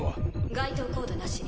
該当コードなし。